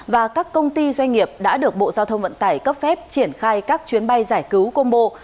và các công ty doanh nghiệp đã được bộ giao thông vận tải cấp phép triển khai các chuyến bay giải cứu combo